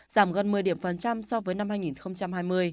giảm gần một mươi điểm phần trăm so với năm hai nghìn hai mươi